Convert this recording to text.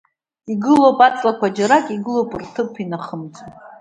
Игылоуп аҵлақәа џьарак, игылоуп рҭыԥаҿ инахымҵуа.